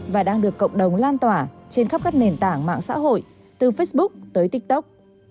và đang được cộng đồng lan tỏa trên khắp các nền tảng mạng xã hội từ facebook tới tiktok